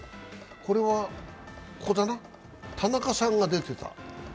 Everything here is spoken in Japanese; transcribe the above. これは田中さんが出てた。